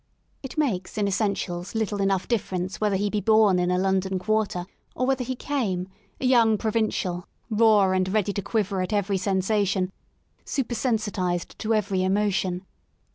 It makes in essentials little enough difference whether he be born in a London quarter, or whether he came, a young provincial, raw and ready to quiver at every sensation, super sensitized to every emotion.